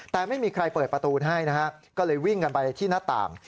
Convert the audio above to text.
แต่ไม่มีใครเปิดประตูให้นะฮะก็เลยวิ่งกันไปที่หน้าต่าง